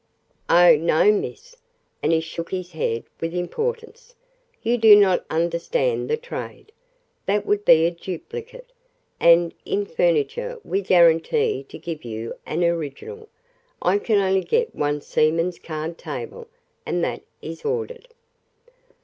"Oh, no, miss," and he shook his head with importance. "You do not understand the trade. That would be a duplicate, and in furniture we guarantee to give you an original I can only get one seaman's card table, and that is ordered."